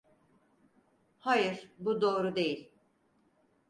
Hayır, bu doğru değil.